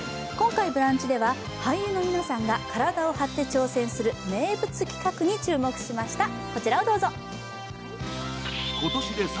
今回「ブランチ」では俳優の皆さんが体を張って挑戦する名物企画に注目しました。